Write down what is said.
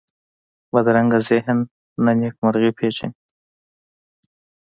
بدرنګه ذهن نه نېکمرغي پېژني